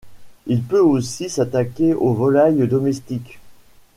Il peut aussi s'attaquer aux volailles domestiques.